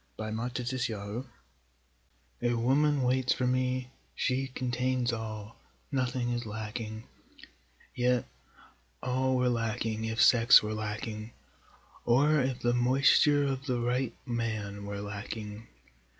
A Woman Waits for Me A woman waits for me, she contains all, nothing is lacking, Yet all were lacking if sex were lacking, or if the moisture of the right man were lacking.